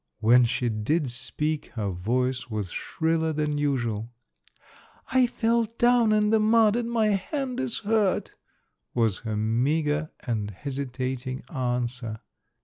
When she did speak, her voice was shriller than usual. "I fell down in the mud and my hand is hurt," was her meager and hesitating answer.